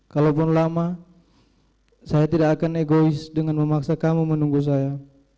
kalaupun lama saya tidak akan egois dengan memaksa kamu menunggu saya